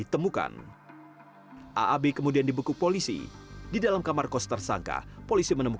terjawab dengan pengakuan tersangka sendiri